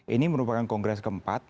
ini merupakan kongres keempat